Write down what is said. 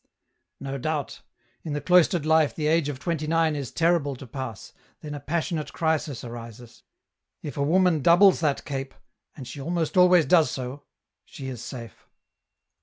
" No doubt ; in the cloistered life the age of twenty nine IS terrible to pass, then a passionate crisis arises ; if a woman doubles that cape, and she almost always does so, she is safe.